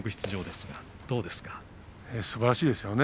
すばらしいですよね。